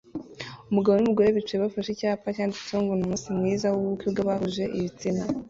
Umugabo n'umugore bicaye bafashe icyapa cyanditseho ngo "Ni umunsi mwiza w'ubukwe bw'abahuje ibitsina"